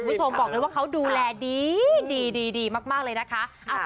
วิทยุคทรวมบอกว่าเขาดูแลดีมากเลยนะคะ